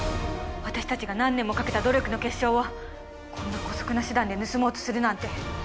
私たちが何年もかけた努力の結晶を、こんなこそくな手段で盗もうとするなんて。